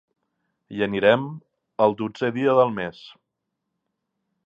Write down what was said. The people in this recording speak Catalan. Hi anirem el dotzè dia del mes.